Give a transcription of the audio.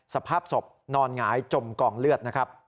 สภาพศพนอนหงายจมกองเลือด